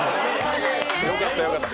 よかったよかった。